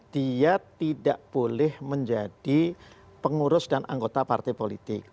dia tidak boleh menjadi pengurus dan anggota partai politik